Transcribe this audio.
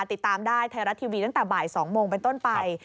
ติดตามได้ไทยรัฐทีวีตั้งแต่บ่าย๒โมงเป็นต้นไป